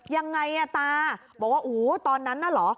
ยังไงอ่ะตาบอกว่าโอ้โหตอนนั้นน่ะเหรอ